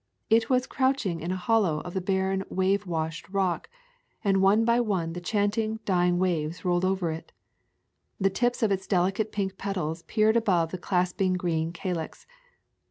It was crouch ing in a hollow of the brown wave washed rock, and one by one the chanting, dying waves rolled over it. The tips of its delicate pink petals peered above the clasping green calyx.